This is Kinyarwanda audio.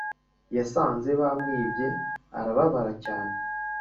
Yasanze bamwibye arababara cyane